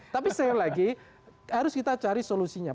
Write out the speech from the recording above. tapi sekali lagi harus kita cari solusinya